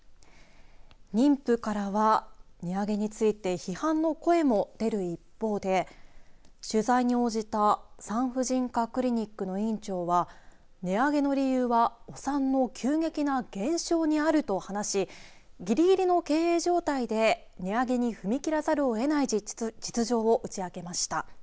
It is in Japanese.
妊婦からは値上げについて批判の声も出る一方で取材に応じた産婦人科クリニックの院長は値上げの理由はお産の急激な減少にあると話しぎりぎりの経営状態で値上げに踏み切らざるをえない実情を打ち明けました。